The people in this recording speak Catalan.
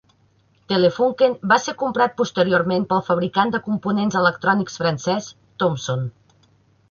Telefunken va ser comprat posteriorment pel fabricant de components electrònics francès Thomson.